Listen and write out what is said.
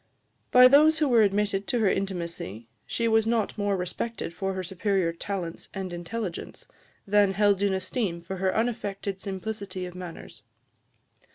By those who were admitted to her intimacy, she was not more respected for her superior talents and intelligence, than held in esteem for her unaffected simplicity of manners.